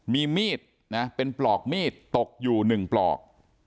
มีมีดนะเป็นปลอกมีดตกอยู่๑ปลอก